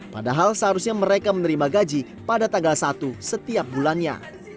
padahal seharusnya mereka menerima gaji pada tanggal satu setiap bulannya